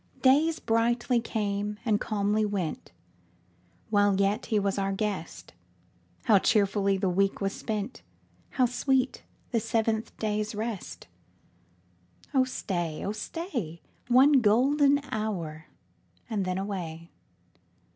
Days brightly came and calmly went, While yet he was our guest ; How cheerfully the week was spent ! How sweet the seventh day's rest ! Oh stay, oh stay. One golden hour, and then away.